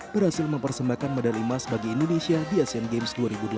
berhasil mempersembahkan medali emas bagi indonesia di asean games dua ribu delapan belas